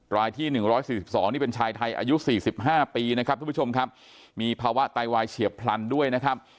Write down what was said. รายที่๑๔๒นี่เป็นชายไทยอายุ๔๕ปีนะครับทุกผู้ชมครับมีภาวะไตวายเฉียบพลันด้วยนะครับ